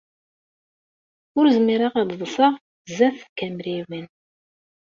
Ur zmireɣ ad ḍseɣ sdat tkamriwin.